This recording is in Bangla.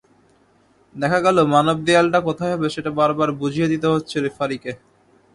দেখা গেল মানবদেয়ালটা কোথায় হবে সেটা বারবার বুঝিয়ে দিতে হচ্ছে রেফারিকে।